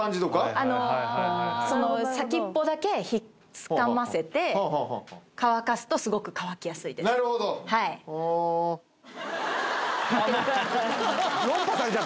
あのその先っぽだけつかませて乾かすとすごく乾きやすいですなるほどはいあっ